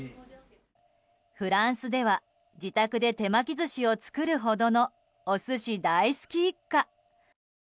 フランスでは自宅で手巻き寿司を作るほどのお寿司大好き一家。